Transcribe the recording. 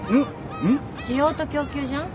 んっ？需要と供給じゃん？